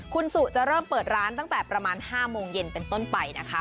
คุณสุจะเริ่มเปิดร้านตั้งแต่ประมาณ๕โมงเย็นเป็นต้นไปนะคะ